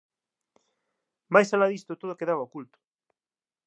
Máis alá disto todo quedaba oculto.